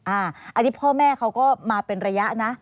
อันนี้พ่อแม่เขาก็มาเป็นระยะนะ